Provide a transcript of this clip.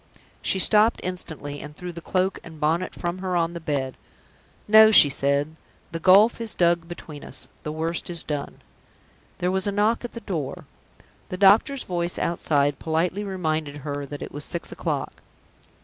She stopped instantly, and threw the cloak and bonnet from her on the bed. "No!" she said; "the gulf is dug between us the worst is done!" There was a knock at the door. The doctor's voice outside politely reminded her that it was six o'clock.